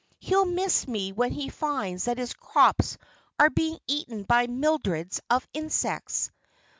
"He'll miss me when he finds that his crops are being eaten by mildreds of insects."